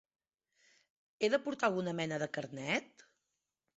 He de portar alguna mena de carnet?